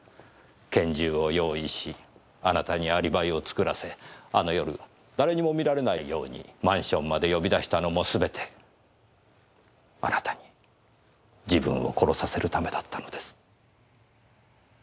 拳銃を用意しあなたにアリバイを作らせあの夜誰にも見られないようにマンションまで呼び出したのもすべてあなたに自分を殺させるためだったのです。